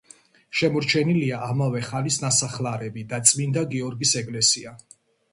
შემორჩენილია ამავე ხანის ნასახლარები და წმინდა გიორგის ეკლესია.